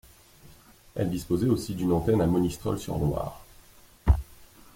Elle disposait aussi d'une antenne à Monistrol-sur-Loire.